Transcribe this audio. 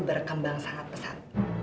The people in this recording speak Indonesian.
berkembang sangat pesat